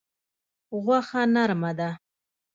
غوښه نرمه ده.